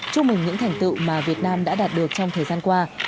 chúc mừng những thành tựu mà việt nam đã đạt được trong thời gian qua